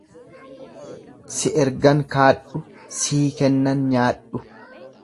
"""Si ergan kaadhu, sii kennan nyaadhu."""